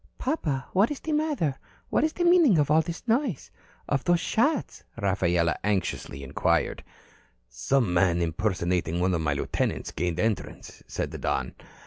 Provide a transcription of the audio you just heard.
"Papa, what is the matter? What is the meaning of all this noise? Of those shots?" Rafaela anxiously inquired. "Some man impersonating one of my lieutenants gained entrance," said the Don.